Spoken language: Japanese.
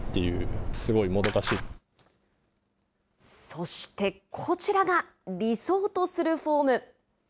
そしてこちらが、理想とするフォーム。